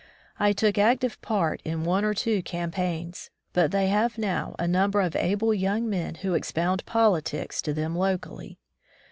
I took active part in one or two campaigns; but they have now a number of able young men who expound politics to them locally.